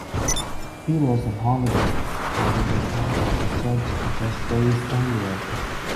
He was on holiday, having retired as a judge just days earlier.